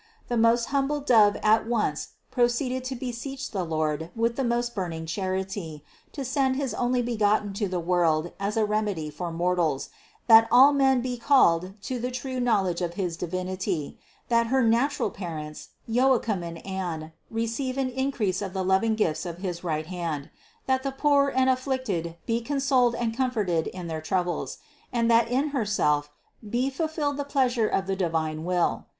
The most humble Dove at once proceeded to beseech the Lord with the most burning charity, to send his Onlybegotten to the world as a remedy for mortals ; that all men be called to the true knowledge of his Divinity ; that her nat ural parents, Joachim and Anne, receive an increase of the loving gifts of his right hand; that the poor and af flicted be consoled and comforted in their troubles; and that in Herself be fulfilled the pleasure of the divine will.